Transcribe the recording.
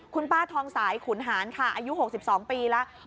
คุณป้าทองสายขุนหารค่ะอายุ๖๒ปีแล้ว